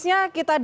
ini an giltar